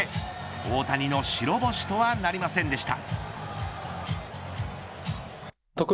大谷の白星とはなりませんでした。